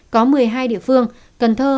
có một mươi hai địa phương cần thơ